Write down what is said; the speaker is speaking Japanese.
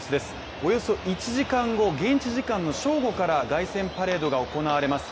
およそ１時間後、現地時間の正午から凱旋パレードが行われます。